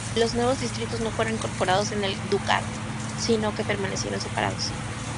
Los nuevos distritos no fueron incorporados en el ducado, sino que permanecieron separados.